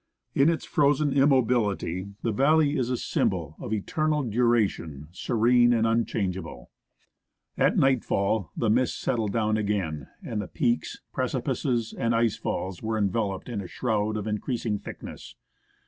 In its frozen immobility the valley is a symbol of eternal duration, serene and unchangeable. At nightfall the mist settled down again, and peaks, preci pices, and ice falls were enveloped in a shroud of increasing thick ness.